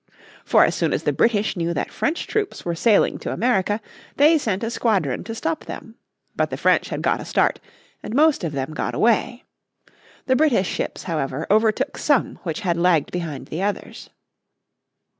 For as soon as the British knew that French troops were sailing to America they sent a squadron to stop them. But the French had got a start, and most of them got away. The British ships, however, overtook some which had lagged behind the others.